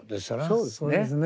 そうですね。